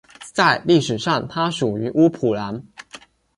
在历史上它属于乌普兰。